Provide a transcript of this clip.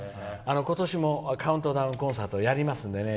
今年もカウントダウンコンサートやりますのでね。